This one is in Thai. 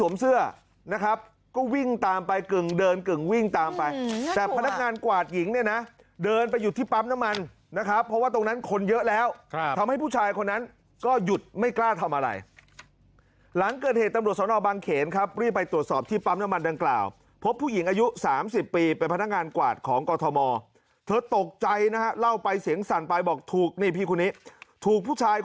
นะครับก็วิ่งตามไปกึ่งเดินกึ่งวิ่งตามไปแต่พนักงานกวาดหญิงเนี่ยนะเดินไปหยุดที่ปั๊มน้ำมันนะครับเพราะว่าตรงนั้นคนเยอะแล้วทำให้ผู้ชายคนนั้นก็หยุดไม่กล้าทำอะไรหลังเกิดเหตุตำรวจสนบางเขนครับรีบไปตรวจสอบที่ปั๊มน้ำมันดังกล่าวพบผู้หญิงอายุ๓๐ปีเป็นพนักงานกวาดของกอทมเธอตกใจนะฮะเล่าไปเสียงสั่นไปบอกถูกนี่พี่คนนี้ถูกผู้ชาย